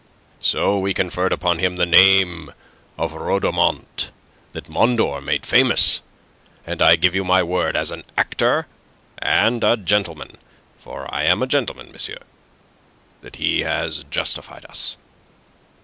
So we conferred upon him the name of Rhodomont that Mondor made famous; and I give you my word, as an actor and a gentleman for I am a gentleman, monsieur, or was that he has justified us."